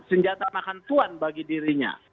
senjata makan tuan bagi dirinya